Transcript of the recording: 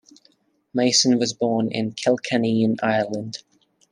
Mason was born in Kilkenny in Ireland.